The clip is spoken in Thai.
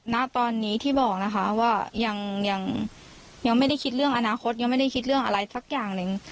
ณตอนนี้ที่บอกนะคะว่ายังไม่ได้คิดเรื่องอนาคตยังไม่ได้คิดเรื่องอะไรสักอย่างหนึ่ง